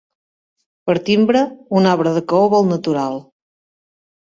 Per timbre, un arbre de caoba al natural.